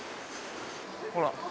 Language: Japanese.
ほら。